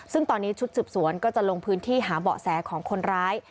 ซึ่งตอนนี้ชุดสืบสวนก็จะลงพื้นที่หาเบาะแสของคนร้าย